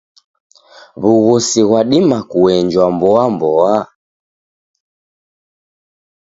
W'ughosi ghwadima kuenjwa mboamboa?